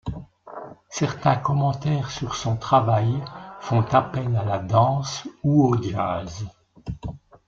Certains commentaires sur son travail font appel à la danse ou au jazz.